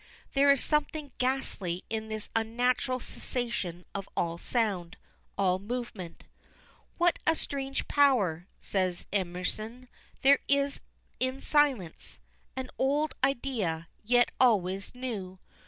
There is something ghastly in this unnatural cessation of all sound, all movement. "What a strange power," says Emerson, "there is in silence." An old idea, yet always new.